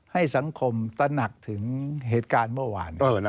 ให้สังคมตระหนักถึงเหตุการณ์เมื่อวาน